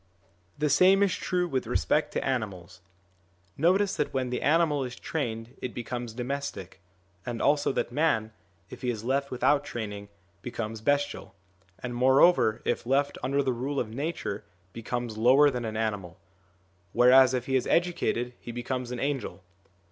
The same is true with respect to animals: notice that when the animal is trained it becomes domestic, and also that man, if he is left without training, becomes bestial, and, moreover, if left under the rule of nature, becomes lower than an animal ; whereas if he is educated he becomes an angel.